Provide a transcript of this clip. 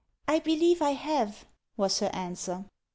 " I believe I have," was her answer.